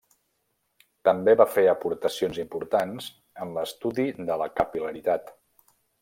També va fer aportacions importants en l'estudi de la capil·laritat.